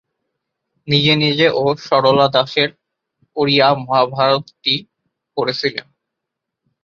তিনি নিজে ও সরলা দাসের ওড়িয়া মহাভারতটি পড়েছিলেন।